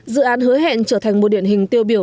dự án hứa hẹn trở thành một điện hình tiêu biểu